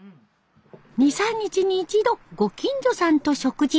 ２３日に一度ご近所さんと食事。